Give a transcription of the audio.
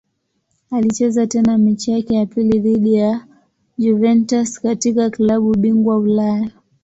Alicheza tena mechi yake ya pili dhidi ya Juventus katika klabu bingwa Ulaya.